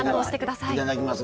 いただきます。